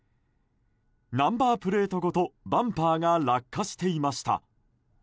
ナンバープレートごとバンパーが落下していました。